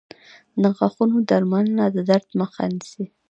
• د غاښونو درملنه د درد مخه نیسي.